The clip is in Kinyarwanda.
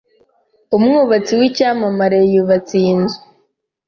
Umwubatsi w'icyamamare yubatse iyi nzu.